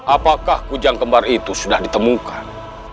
apakah kujang kembar itu sudah ditemukan